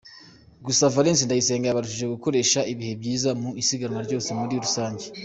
Gusa Valence Ndayisenga yabarushije gukoresha ibihe byiza mu isiganwa ryose muri rusange.